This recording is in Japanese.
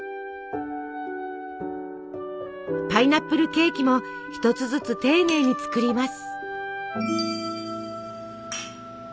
パイナップルケーキも一つずつ丁寧に作ります。